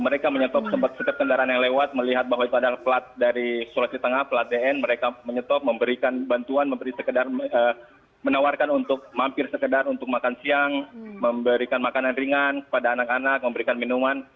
mereka menyetop sepertendaraan yang lewat melihat bahwa pada pelat dari sulawesi tengah pelat dn mereka menyetop memberikan bantuan menawarkan untuk mampir sekedar untuk makan siang memberikan makanan ringan kepada anak anak memberikan minuman